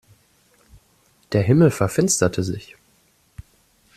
Der Himmel verfinsterte sich.